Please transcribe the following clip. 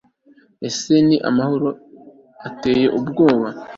ese ni amahano ateye ubwoba